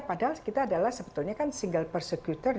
padahal kita adalah sebetulnya kan single persecutor